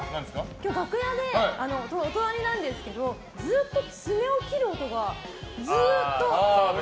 今日、楽屋でお隣なんですけどずっと爪を切る音がずっと。